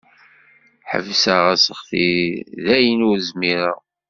Ḥebseɣ aseɣti dayen ur zmireɣ.